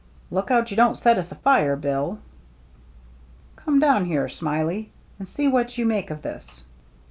" Look out you don't set us afire. Bill." " Come down here. Smiley, and see what you make of this."